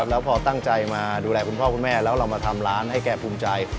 เราตั้งใจมาดูแลคุณพ่อคุณแม่เรามาทำร้านให้แกกันภูมิใจ